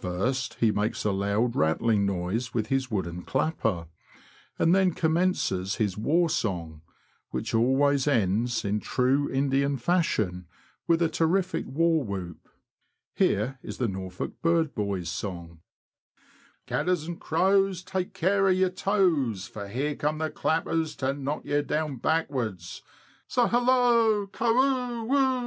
First, he makes a loud, rattling noise with his wooden clapper, and then commences his war song, w^hich always ends, in true Indian fashion, with a terrific war whoop. Here is the Norfolk bird boy's song : Cadders and crows, take care of your toes, For here come the clappers, To knock you down backwards : So, hallo ! Carwho, wo ! wo !!